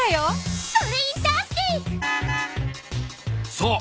そう。